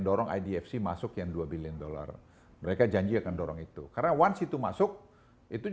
dorong idfc masuk yang dua billion dollar mereka janji akan dorong itu karena once itu masuk itu